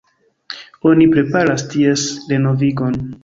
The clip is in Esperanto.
Oni preparas ties renovigon.